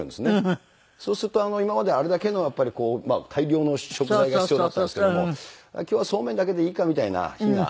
そうすると今まであれだけのやっぱり大量の食材が必要だったんですけども今日はそうめんだけでいいかみたいな日が。